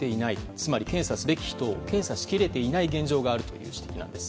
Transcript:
つまり検査すべき人を検査しきれていない現状があるとのご指摘なんです。